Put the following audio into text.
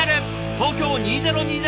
東京２０２０